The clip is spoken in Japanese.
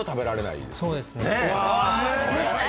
そうですね。